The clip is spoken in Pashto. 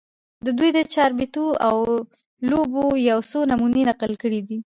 د دوي د چاربېتواو لوبو يو څو نمونې نقل کړي دي